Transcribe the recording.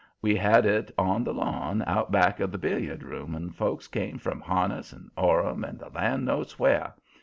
We had it on the lawn out back of the billiard room and folks came from Harniss and Orham and the land knows where.